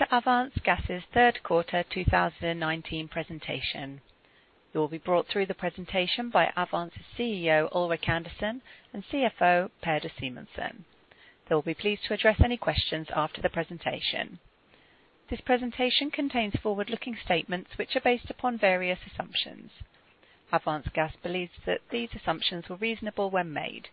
Welcome to Avance Gas's third quarter 2019 presentation. You will be brought through the presentation by Avance Gas's CEO, Ulrik Andersen, and CFO, Peder Simonsen. They will be pleased to address any questions after the presentation. This presentation contains forward-looking statements which are based upon various assumptions. Avance Gas believes that these assumptions were reasonable when made.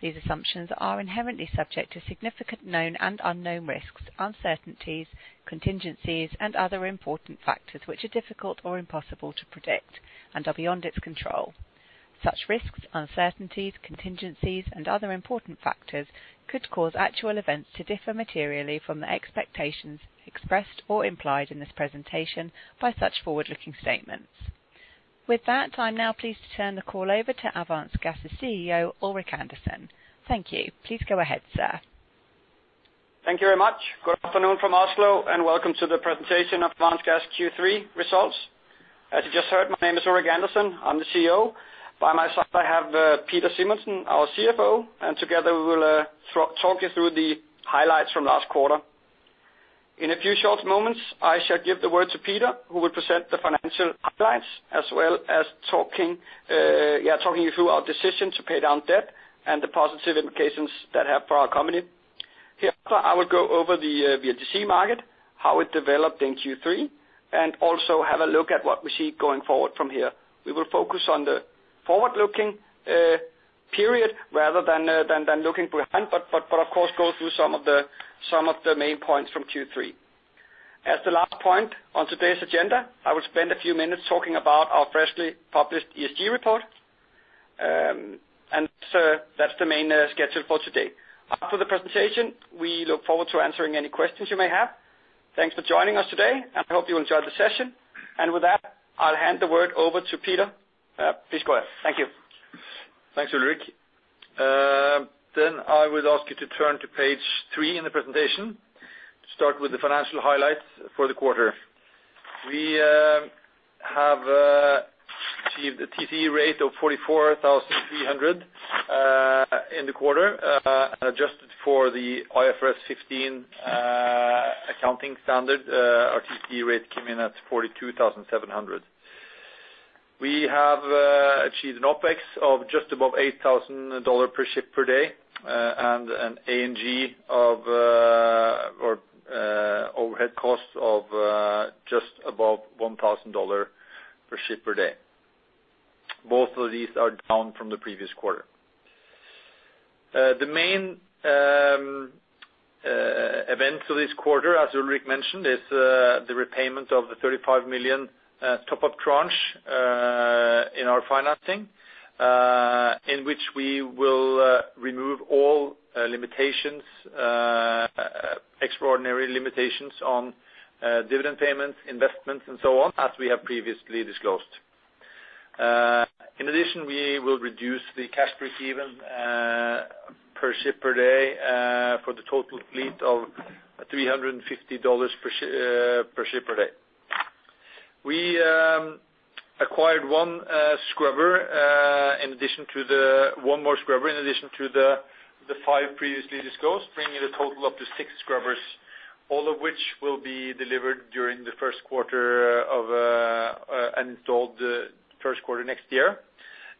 These assumptions are inherently subject to significant known and unknown risks, uncertainties, contingencies, and other important factors which are difficult or impossible to predict and are beyond its control. Such risks, uncertainties, contingencies, and other important factors could cause actual events to differ materially from the expectations expressed or implied in this presentation by such forward-looking statements. With that, I am now pleased to turn the call over to Avance Gas's CEO, Ulrik Andersen. Thank you. Please go ahead, sir. Thank you very much. Good afternoon from Oslo, and welcome to the presentation of Avance Gas Q3 results. As you just heard, my name is Ulrik Andersen, I'm the CEO. By my side, I have Peder Simonsen, our CFO, and together we will talk you through the highlights from last quarter. In a few short moments, I shall give the word to Peder, who will present the financial highlights as well as talking you through our decision to pay down debt and the positive implications that have for our company. Here, I will go over the VLGC market, how it developed in Q3, and also have a look at what we see going forward from here. We will focus on the forward-looking period rather than looking behind, but of course, go through some of the main points from Q3. As the last point on today's agenda, I will spend a few minutes talking about our freshly published ESG report. That's the main schedule for today. After the presentation, we look forward to answering any questions you may have. Thanks for joining us today, and I hope you enjoy the session. With that, I'll hand the word over to Peder. Please go ahead. Thank you. Thanks, Ulrik. I would ask you to turn to page three in the presentation to start with the financial highlights for the quarter. We have achieved a TCE rate of $44,300 in the quarter. Adjusted for the IFRS 15 accounting standard, our TCE rate came in at $42,700. We have achieved an OpEx of just above $8,000 per ship per day, and an A&G of overhead costs of just above $1,000 per ship per day. Both of these are down from the previous quarter. The main events of this quarter, as Ulrik mentioned, is the repayment of the $35 million top-up tranche in our financing, in which we will remove all extraordinary limitations on dividend payments, investments, and so on, as we have previously disclosed. In addition, we will reduce the cash break-even per ship per day for the total fleet of $350 per ship per day. We acquired one more scrubber in addition to the five previously disclosed, bringing a total up to six scrubbers, all of which will be delivered and installed during the first quarter next year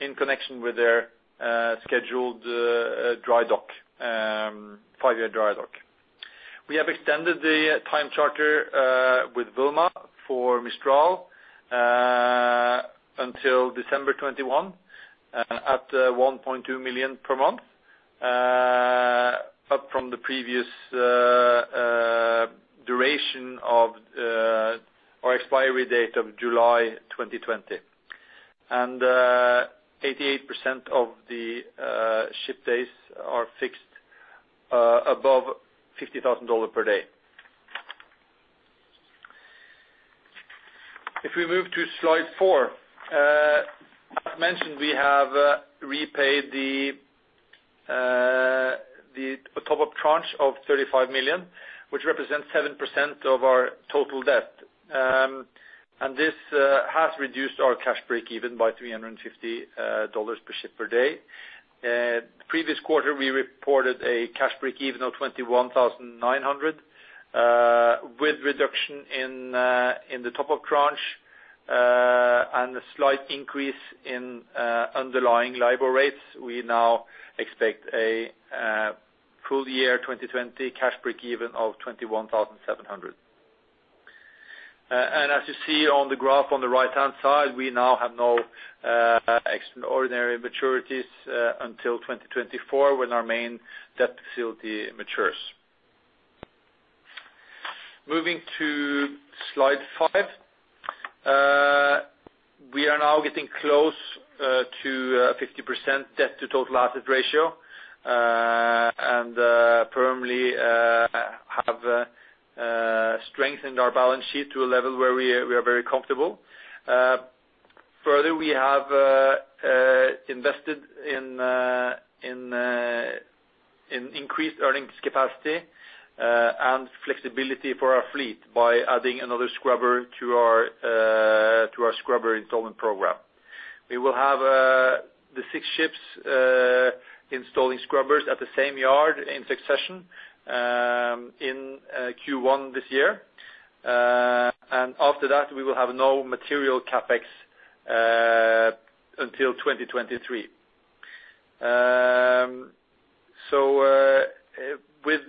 in connection with their scheduled five-year dry dock. We have extended the time charter with Wilmar for Mistral until December 2021 at $1.2 million per month, up from the previous duration of our expiry date of July 2020. 88% of the ship days are fixed above $50,000 per day. If we move to slide four. As mentioned, we have repaid the top-up tranche of $35 million, which represents 7% of our total debt. This has reduced our cash break-even by $350 per ship per day. Previous quarter, we reported a cash break-even of $21,900. With reduction in the top-up tranche and a slight increase in underlying LIBOR rates, we now expect a full year 2020 cash break-even of $21,700. As you see on the graph on the right-hand side, we now have no extraordinary maturities until 2024 when our main debt facility matures. Moving to slide five. We are now getting close to 50% debt to total asset ratio and permanently have strengthened our balance sheet to a level where we are very comfortable. Further, we have invested in increased earnings capacity and flexibility for our fleet by adding another scrubber to our scrubber installment program. We will have the six ships installing scrubbers at the same yard in succession in Q1 this year. After that, we will have no material CapEx until 2023. With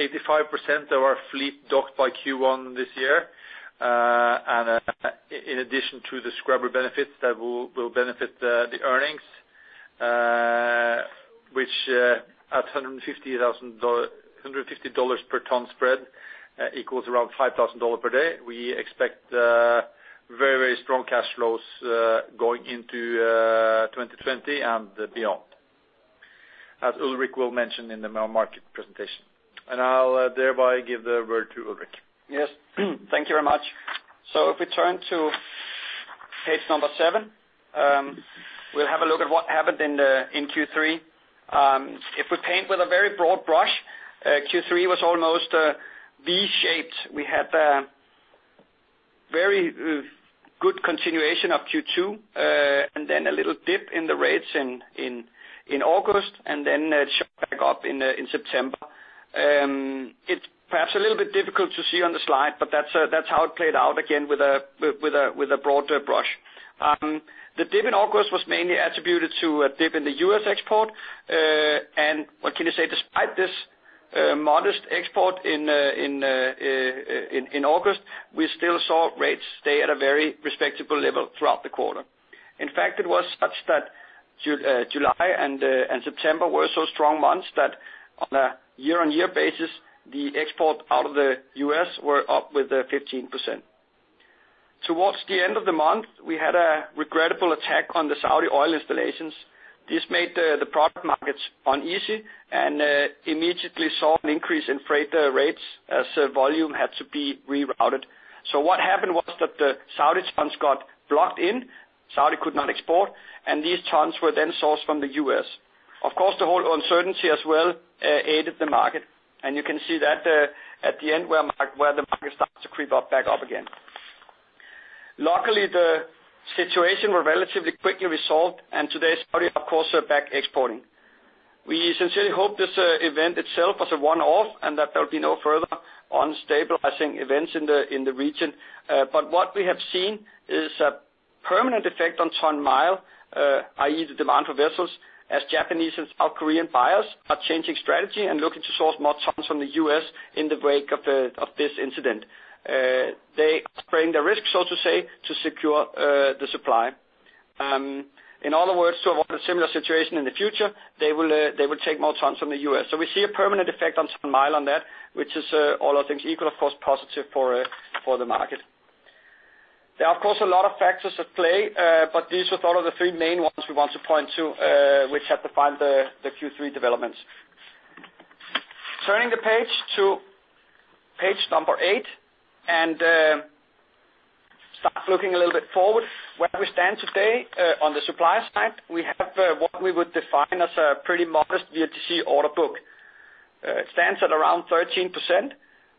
85% of our fleet docked by Q1 this year, in addition to the scrubber benefits that will benefit the earnings, which at $150 per ton spread equals around $5,000 per day. We expect very strong cash flows going into 2020 and beyond, as Ulrik will mention in the market presentation. I'll thereby give the word to Ulrik. Yes. Thank you very much. If we turn to page number seven, we'll have a look at what happened in Q3. If we paint with a very broad brush, Q3 was almost V-shaped. We had a very good continuation of Q2, and then a little dip in the rates in August, and then it shot back up in September. It's perhaps a little bit difficult to see on the slide, but that's how it played out again with a broader brush. The dip in August was mainly attributed to a dip in the U.S. export. What can you say, despite this modest export in August, we still saw rates stay at a very respectable level throughout the quarter. In fact, it was such that July and September were so strong months that on a year-on-year basis, the export out of the U.S. were up with 15%. Towards the end of the month, we had a regrettable attack on the Saudi oil installations. This made the product markets uneasy and immediately saw an increase in freighter rates as volume had to be rerouted. What happened was that the Saudi tons got blocked in, Saudi could not export, and these tons were then sourced from the U.S. Of course, the whole uncertainty as well aided the market, and you can see that at the end where the market starts to creep back up again. Luckily, the situation were relatively quickly resolved, and today, Saudi, of course, are back exporting. We sincerely hope this event itself was a one-off and that there will be no further unstabilizing events in the region. What we have seen is a permanent effect on ton mile, i.e., the demand for vessels as Japanese and South Korean buyers are changing strategy and looking to source more tons from the U.S. in the wake of this incident. They are spreading the risk, so to say, to secure the supply. In other words, to avoid a similar situation in the future, they will take more tons from the U.S. We see a permanent effect on ton mile on that, which is, all other things equal, of course, positive for the market. There are, of course, a lot of factors at play, but these were thought of the three main ones we want to point to which had defined the Q3 developments. Turning the page to page number eight and start looking a little bit forward where we stand today. On the supply side, we have what we would define as a pretty modest VLGC order book. It stands at around 13%,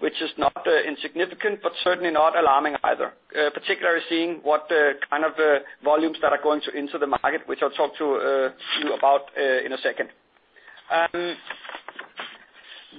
which is not insignificant, but certainly not alarming either. Particularly seeing what the kind of volumes that are going into the market, which I'll talk to you about in a second.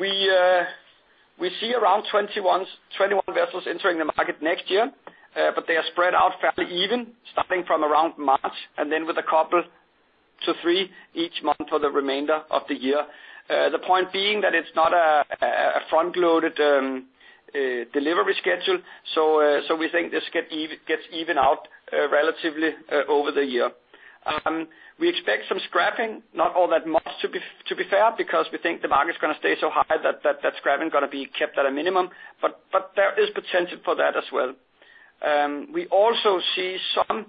We see around 21 vessels entering the market next year, but they are spread out fairly even starting from around March, and then with a couple to three each month for the remainder of the year. The point being that it's not a front-loaded delivery schedule. We think this gets evened out relatively over the year. We expect some scrapping, not all that much to be fair, because we think the market is going to stay so high that scrapping going to be kept at a minimum, but there is potential for that as well. We also see some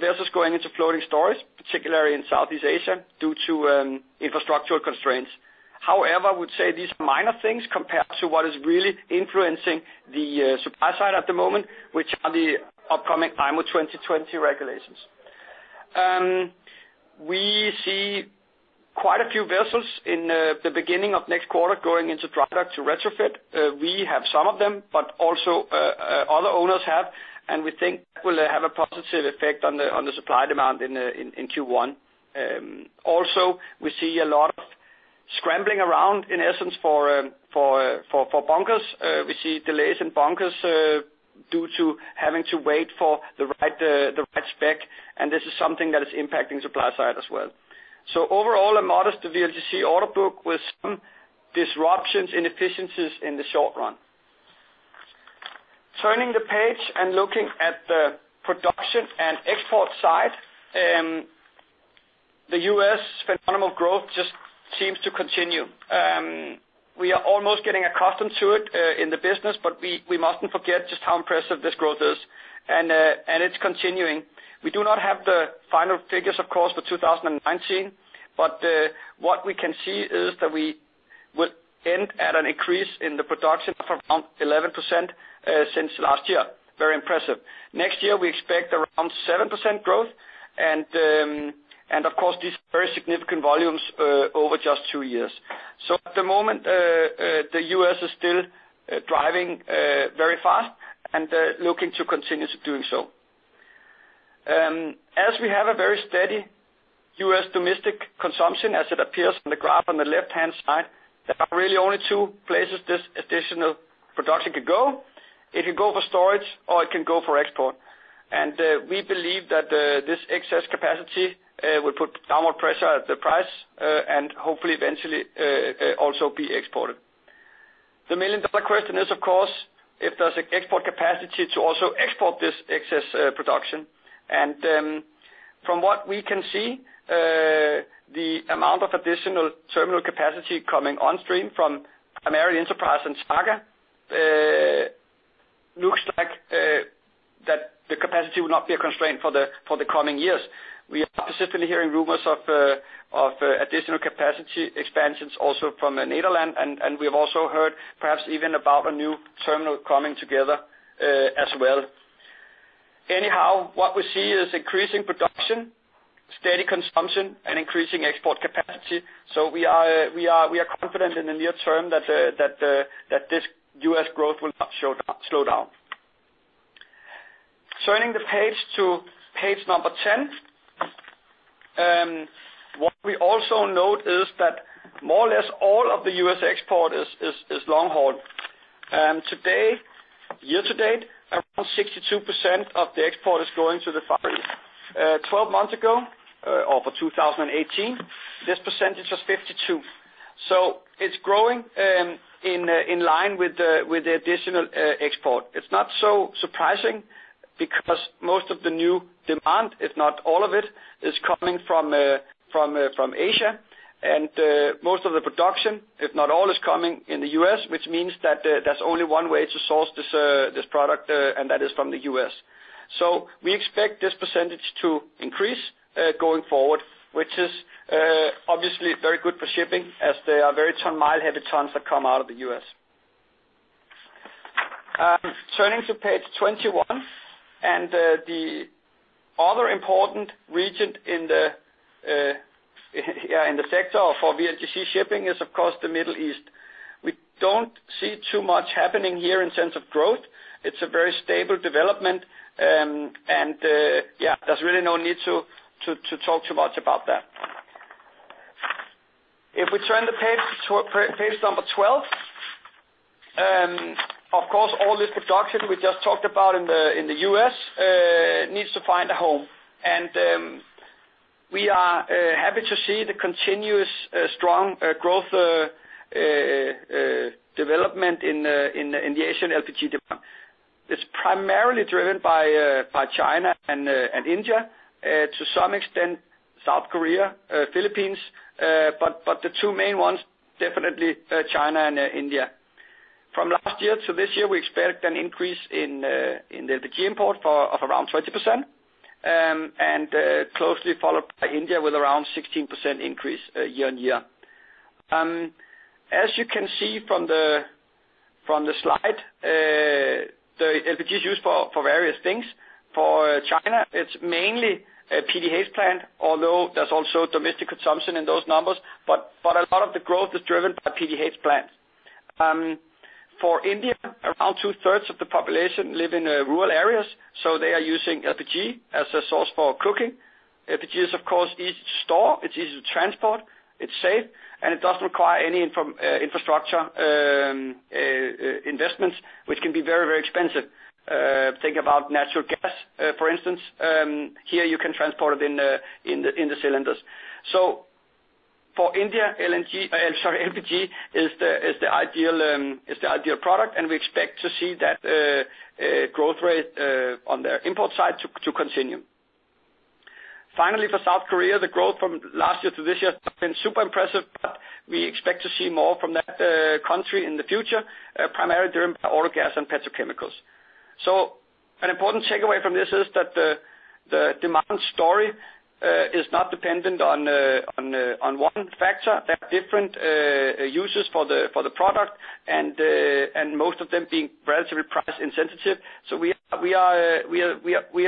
vessels going into floating storage, particularly in Southeast Asia due to infrastructural constraints. I would say these are minor things compared to what is really influencing the supply side at the moment, which are the upcoming IMO 2020 regulations. We see quite a few vessels in the beginning of next quarter going into dry dock to retrofit. We have some of them, also other owners have, we think that will have a positive effect on the supply demand in Q1. We see a lot of scrambling around, in essence, for bunkers. We see delays in bunkers due to having to wait for the right spec, this is something that is impacting supply side as well. Overall, a modest VLGC order book with some disruptions, inefficiencies in the short run. Turning the page and looking at the production and export side. The U.S. phenomenon of growth just seems to continue. We are almost getting accustomed to it in the business, but we mustn't forget just how impressive this growth is, and it's continuing. We do not have the final figures, of course, for 2019. What we can see is that we would end at an increase in the production of around 11% since last year. Very impressive. Next year, we expect around 7% growth and, of course, these very significant volumes over just two years. At the moment, the U.S. is still driving very fast and looking to continue doing so. As we have a very steady U.S. domestic consumption, as it appears on the graph on the left-hand side, there are really only two places this additional production could go. It could go for storage, or it can go for export. We believe that this excess capacity will put downward pressure at the price, and hopefully eventually, also be exported. The million-dollar question is, of course, if there's export capacity to also export this excess production. From what we can see, the amount of additional terminal capacity coming on stream from Enterprise Products Partners and Targa, looks like that the capacity will not be a constraint for the coming years. We are specifically hearing rumors of additional capacity expansions also from the Netherlands, and we've also heard perhaps even about a new terminal coming together as well. Anyhow, what we see is increasing production, steady consumption, and increasing export capacity. We are confident in the near term that this U.S. growth will not slow down. Turning the page to page number 10. What we also note is that more or less all of the U.S. export is long haul. Today, year to date, around 62% of the export is going to the Far East. 12 months ago, or for 2018, this percentage was 52. It's growing in line with the additional export. It's not so surprising because most of the new demand, if not all of it, is coming from Asia, and most of the production, if not all, is coming in the U.S., which means that there's only one way to source this product, and that is from the U.S. We expect this percentage to increase going forward, which is obviously very good for shipping as they are very ton mile heavy tons that come out of the U.S. Turning to page 21, the other important region in the sector for VLGC shipping is, of course, the Middle East. We don't see too much happening here in sense of growth. It's a very stable development, and there's really no need to talk too much about that. If we turn the page to page number 12. Of course, all this production we just talked about in the U.S. needs to find a home. We are happy to see the continuous strong growth development in the Asian LPG department. It's primarily driven by China and India. To some extent, South Korea, Philippines, but the two main ones, definitely China and India. From last year to this year, we expect an increase in the LPG import of around 20%, and closely followed by India with around 16% increase year on year. As you can see from the slide, the LPG is used for various things. For China, it's mainly a PDH plant, although there's also domestic consumption in those numbers, but a lot of the growth is driven by PDH plants. For India, around two-thirds of the population live in rural areas, so they are using LPG as a source for cooking. LPG is, of course, easy to store, it's easy to transport, it's safe, and it doesn't require any infrastructure investments, which can be very, very expensive. Think about natural gas, for instance. Here you can transport it in the cylinders. For India, LPG is the ideal product, and we expect to see that growth rate on the import side to continue. Finally, for South Korea, the growth from last year to this year has been super impressive. We expect to see more from that country in the future, primarily driven by oil, gas, and petrochemicals. An important takeaway from this is that the demand story is not dependent on one factor. There are different uses for the product, and most of them being relatively price insensitive. We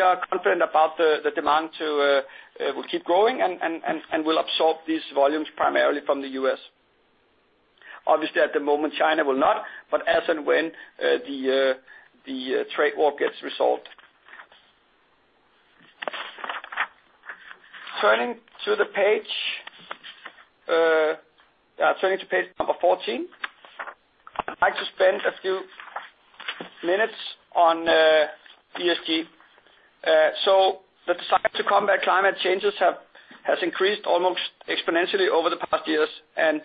are confident about the demand will keep growing and will absorb these volumes primarily from the U.S. Obviously, at the moment, China will not, but as and when the trade war gets resolved. Turning to page number 14. I'd like to spend a few minutes on ESG. The desire to combat climate changes has increased almost exponentially over the past years, and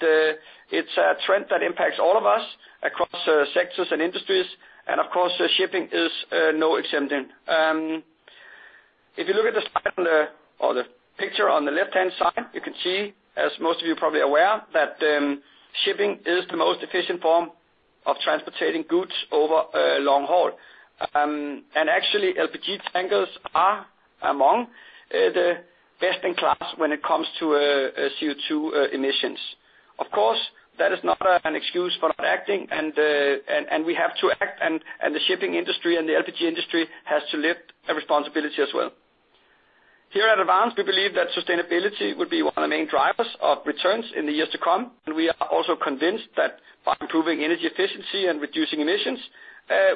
it's a trend that impacts all of us across sectors and industries. Of course, shipping is no exemption. If you look at the slide or the picture on the left-hand side, you can see, as most of you are probably aware, that shipping is the most efficient form of transporting goods over a long haul. Actually, LPG tankers are among the best in class when it comes to CO2 emissions. Of course, that is not an excuse for not acting, and we have to act, and the shipping industry and the LPG industry has to live a responsibility as well. Here at Avance, we believe that sustainability will be one of the main drivers of returns in the years to come, and we are also convinced that by improving energy efficiency and reducing emissions,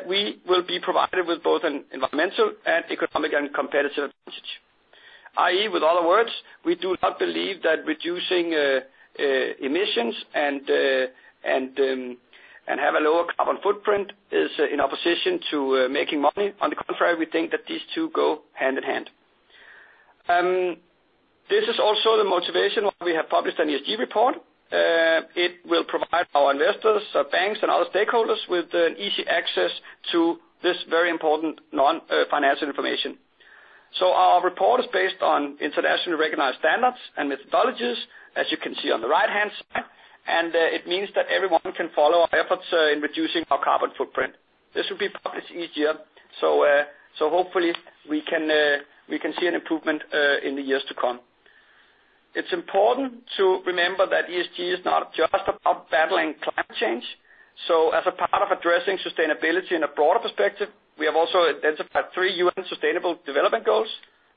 we will be provided with both an environmental and economic and competitive advantage. I.e., with other words, we do not believe that reducing emissions and have a lower carbon footprint is in opposition to making money. On the contrary, we think that these two go hand in hand. This is also the motivation why we have published an ESG report. It will provide our investors, banks, and other stakeholders with an easy access to this very important non-financial information. Our report is based on internationally recognized standards and methodologies, as you can see on the right-hand side, and it means that everyone can follow our efforts in reducing our carbon footprint. This will be published each year, hopefully we can see an improvement in the years to come. It's important to remember that ESG is not just about battling climate change. As a part of addressing sustainability in a broader perspective, we have also identified three UN Sustainable Development Goals,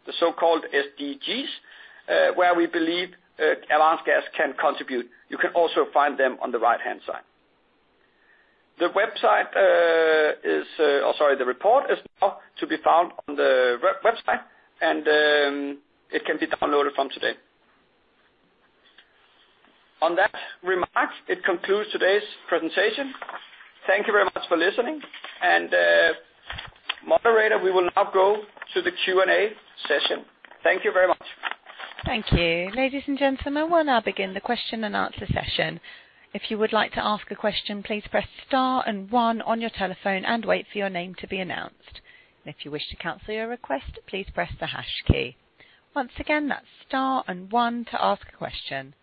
the so-called SDGs, where we believe Avance Gas can contribute. You can also find them on the right-hand side. The report is now to be found on the website, and it can be downloaded from today. On that remark, it concludes today's presentation. Thank you very much for listening, moderator, we will now go to the Q&A session. Thank you very much. Thank you. Ladies and gentlemen, we'll now begin the question and answer session. If you would like to ask a question, please press star and one on your telephone and wait for your name to be announced. If you wish to cancel your request, please press the hash key. Once again, that's star and one to ask a question.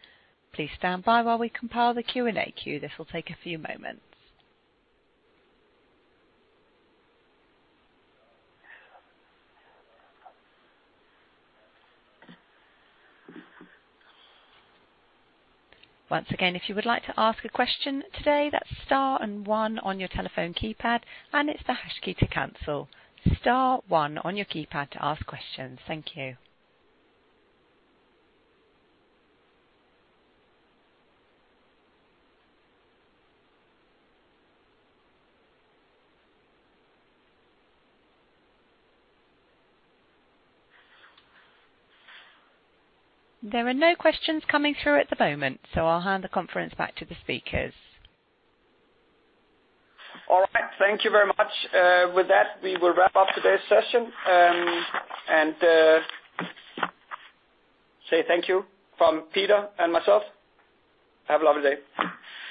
Please stand by while we compile the Q&A queue. This will take a few moments. Once again, if you would like to ask a question today, that's star and one on your telephone keypad, and it's the hash key to cancel. Star one on your keypad to ask questions. Thank you. There are no questions coming through at the moment, so I'll hand the conference back to the speakers. All right. Thank you very much. With that, we will wrap up today's session and say thank you from Peder and myself. Have a lovely day.